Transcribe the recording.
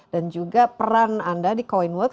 dan juga peran anda di coinworks